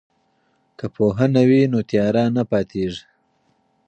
که پوهنه وي نو تیاره نه پاتیږي.